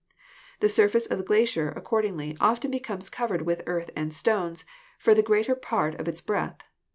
The surface of the glacier, accordingly, often becomes cov ered with earth and stones for the greater part of its breadth.